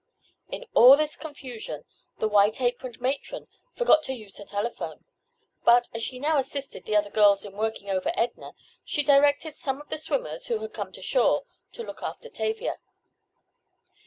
In all this confusion the white aproned matron forgot to use her telephone. But, as she now assisted the other girls in working over Edna, she directed some of the swimmers, who had come to shore, to look after Tavia.